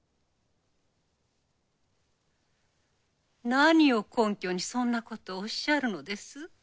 何を根拠にそんなことおっしゃるのです。